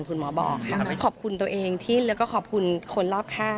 คุณหมอบอกขอบคุณตัวเองที่แล้วก็ขอบคุณคนรอบข้าง